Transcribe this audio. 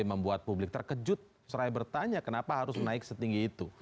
membuat publik terkejut seraya bertanya kenapa harus naik setinggi itu